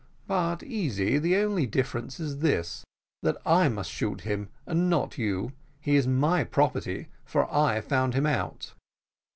"But, Easy, the only difference is this, that I must shoot him, and not you; he is my property, for I found him out."